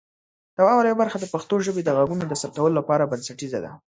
د واورئ برخه د پښتو ژبې د غږونو د ثبتولو لپاره بنسټیزه ده.